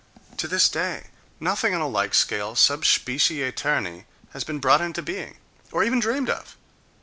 To this day, noth ing on a like scale sub specie aeterni has been brought into being, or even dreamed of!